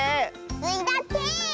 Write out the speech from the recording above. スイだって！